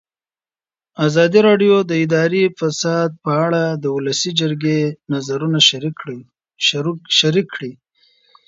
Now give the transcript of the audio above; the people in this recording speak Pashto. ازادي راډیو د اداري فساد په اړه د ولسي جرګې نظرونه شریک کړي.